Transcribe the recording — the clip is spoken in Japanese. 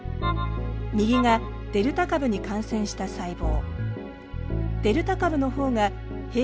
右がデルタ株に感染した細胞。